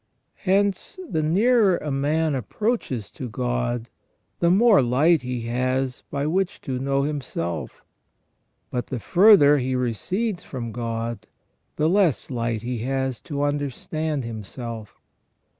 Hence the nearer a man approaches to God, the more light he has by which to know himself ; but the further he recedes from God, the less light he has to understand himself.